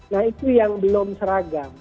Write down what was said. nah itu yang belum seragam